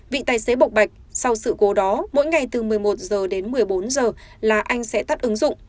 vị tài xế bộc bạch sau sự cố đó mỗi ngày từ một mươi một h đến một mươi bốn h là anh sẽ tắt ứng dụng